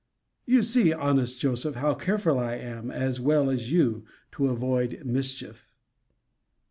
You see, honest Joseph, how careful I am, as well as you, to avoid mischief.